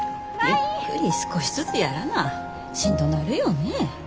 ゆっくり少しずつやらなしんどなるよね。